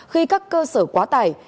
khi các cơ sở quá tải